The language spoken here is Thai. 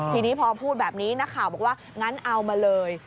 ทีนี้พอพูดแบบนี้นักข่าวบอกว่างั้นเอามาเลย